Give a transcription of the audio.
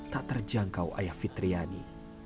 tak terjangkau ayah fitriani